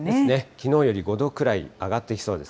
きのうより５度くらい上がってきそうです。